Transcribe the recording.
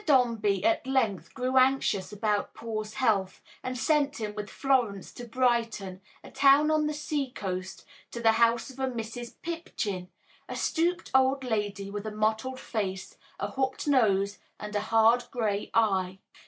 Dombey at length grew anxious about Paul's health and sent him with Florence to Brighton, a town on the sea coast, to the house of a Mrs. Pipchin, a stooped old lady with a mottled face, a hooked nose and a hard gray eye.